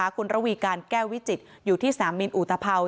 คุณระวีการแก้ววิจิตรอยู่ที่สนามบินอุตภัว